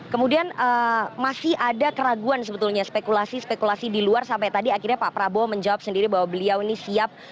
kemudian masih ada keraguan sebetulnya spekulasi spekulasi di luar sampai tadi akhirnya pak prabowo menjawab sendiri bahwa beliau ini siap